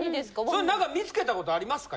それ何か見つけた事ありますか？